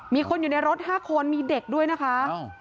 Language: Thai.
มีคนอยู่ในรถห้าคนนมีเด็กด้วยนะคะแห้ว